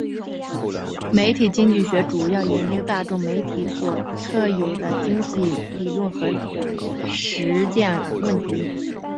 媒体经济学主要研究大众媒体所特有的经济理论和实践问题。